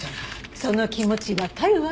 その気持ちわかるわ。